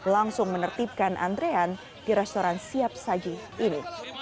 langsung menertibkan antrean di restoran siap saji ini